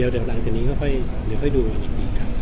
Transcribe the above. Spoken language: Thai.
เดี๋ยวหลังจากนี้ก็ค่อยดูอีก